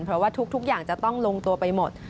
เพราะว่าทุกอย่างจะต้องลงตัวไปหมด